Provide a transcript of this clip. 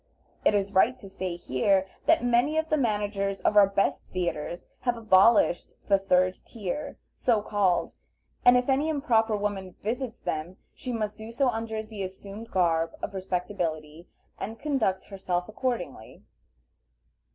It is right to say here, that many of the managers of our best theatres have abolished the third tier, so called, and if any improper woman visits them she must do so under the assumed garb of respectability, and conduct herself accordingly.